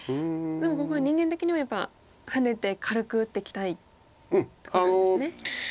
でもここは人間的にはやっぱりハネて軽く打っていきたいところなんですね。